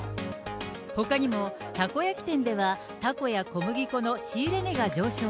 ほかにもたこ焼き店では、たこや小麦粉の仕入れ値が上昇。